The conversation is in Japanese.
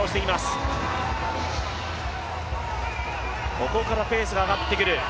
ここからペースが上がってくる。